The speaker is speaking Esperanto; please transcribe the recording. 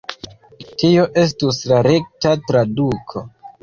Tio estus la rekta traduko